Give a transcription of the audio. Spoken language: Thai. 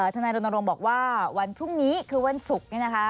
ทนายรณรงค์บอกว่าวันพรุ่งนี้คือวันศุกร์